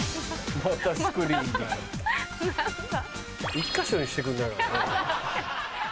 １か所にしてくんないかな。